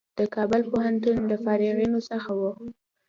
د کابل پوهنتون له فارغینو څخه و.